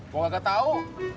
gue kagak tau